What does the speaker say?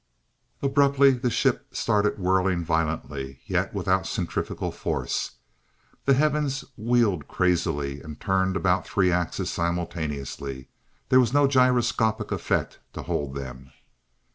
Abruptly the ship started whirling violently, yet without centrifugal force. The heavens wheeled crazily, and turned about three axes simultaneously. There was no gyroscopic effect to hold them!